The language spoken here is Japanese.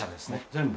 全部。